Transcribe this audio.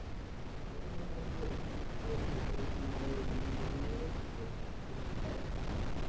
No tenía rango de príncipe, ya que es tomado de un señorío del ducado.